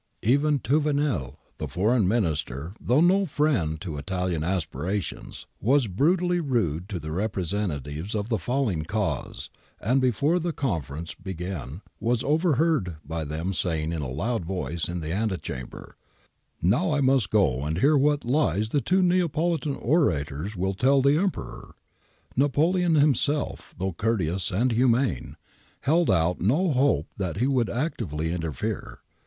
Even Thouvenel, the Foreign Minister, though no friend to Italian aspirations, was brutally rude to the repre sentatives of the falling cause, and before the conference began was overheard by them saying in a loud voice in the antechamber, 'Now I must go and hear what lies the two Neapolitan orators will tell the Emperor.' Napoleon himself, though courteous and humane, held out no hope that he would actively interfere.